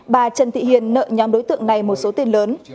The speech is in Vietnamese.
bà trần thị hiền nợ nhóm đối tượng này một số tiền lớn